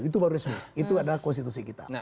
itu baru resmi itu adalah konstitusi kita